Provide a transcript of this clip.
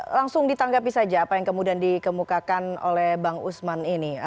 langsung ditanggapi saja apa yang kemudian dikemukakan oleh bang usman ini